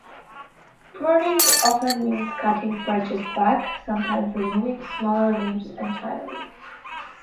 Pruning often means cutting branches back, sometimes removing smaller limbs entirely.